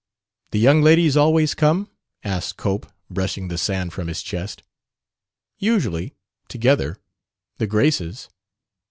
"The young ladies always come?" asked Cope, brushing the sand from his chest. "Usually. Together. The Graces.